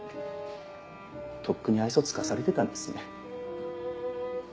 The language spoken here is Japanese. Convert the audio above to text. とっくに愛想尽かされてたんですね。